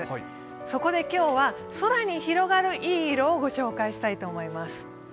そこで今日は、空に広がるいい色をご紹介したいと思います。